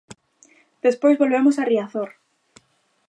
Despois volvemos a Riazor.